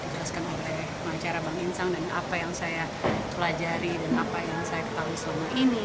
dijelaskan oleh pengacara bang insang dan apa yang saya pelajari dan apa yang saya ketahui selama ini